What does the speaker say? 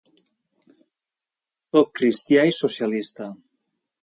Sóc cristià i socialista.